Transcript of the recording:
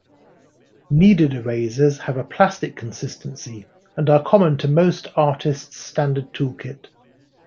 Kneaded erasers have a plastic consistency and are common to most artists' standard toolkit.